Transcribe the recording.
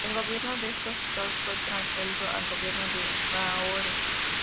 El gobierno de estos estados fue transferido al gobierno de Lahore.